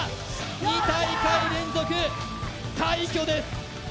２大会連続快挙です！